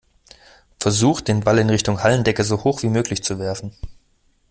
Versucht den Ball in Richtung Hallendecke so hoch wie möglich zu werfen.